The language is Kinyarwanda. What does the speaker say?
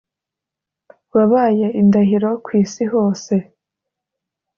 wabaye indahiro ku isi hose,